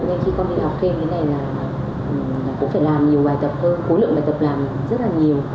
nên khi con đi học thêm thế này là cũng phải làm nhiều bài tập hơn khối lượng bài tập làm rất là nhiều